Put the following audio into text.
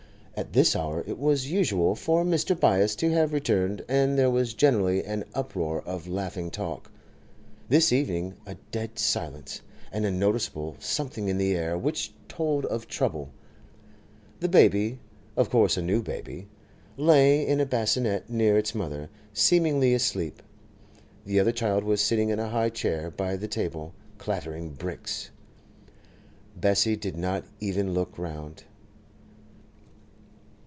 At this hour it was usual for Mr. Byass to have returned, and there was generally an uproar of laughing talk. This evening, dead silence, and a noticeable something in the air which told of trouble. The baby—of course a new baby—lay in a bassinette near its mother, seemingly asleep; the other child was sitting in a high chair by the table, clattering 'bricks.' Bessie did not even look round.